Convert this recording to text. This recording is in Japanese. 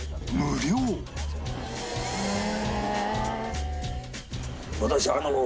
へえ。